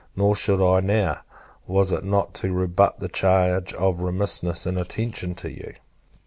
Nor should I now, was it not to rebut the charge of remissness and inattention to you.